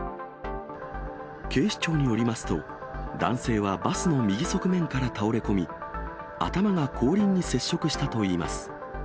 警視庁によりますと、男性はバスの右側面から倒れ込み、頭が後輪に接触したといいます。